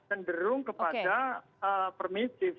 tenderung kepada permissive